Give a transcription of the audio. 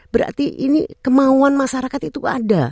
berarti ini kemauan masyarakat itu ada